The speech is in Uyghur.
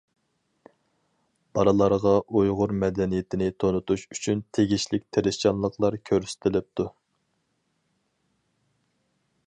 بالىلارغا ئۇيغۇر مەدەنىيىتىنى تونۇتۇش ئۈچۈن تېگىشلىك تىرىشچانلىقلار كۆرسىتىلىپتۇ.